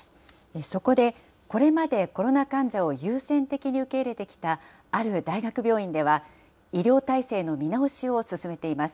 そこで、これまでコロナ患者を優先的に受け入れてきたある大学病院では、医療体制の見直しを進めています。